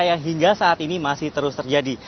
yang hingga saat ini masih terus terjadi